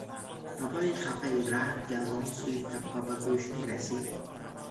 صدای خفهی رعد که از آن سوی تپه به گوش میرسید.